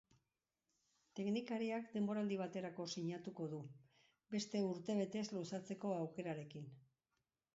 Teknikariak denboraldi baterako sinatuko du, beste urtebetez luzatzeko aukerarekin.